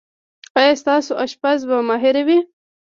ایا ستاسو اشپز به ماهر وي؟